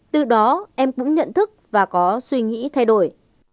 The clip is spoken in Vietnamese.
từ đó em cũng nhận thức và có suy nghĩ thay đổi